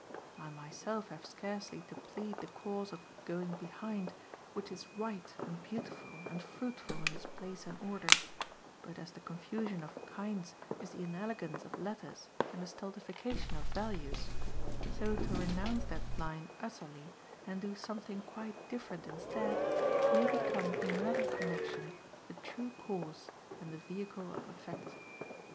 I myself have scarcely to plead the cause of "going behind," which is right and beautiful and fruitful in its place and order; but as the confusion of kinds is the inelegance of letters and the stultification of values, so to renounce that line utterly and do something quite different instead may become in another connexion the true course and the vehicle of effect.